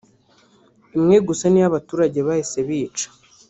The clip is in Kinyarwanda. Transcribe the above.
imwe gusa niyo abaturage bahise bica